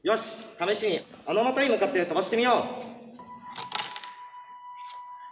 試しにあの的に向かって飛ばしてみよう。